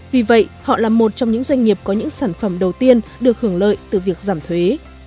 vì vậy họ là một trong những doanh nghiệp có những sản phẩm đầu tiên được hưởng lợi từ việc giảm thuế